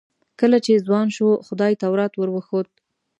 کله چې ځوان شو خدای تورات ور وښود.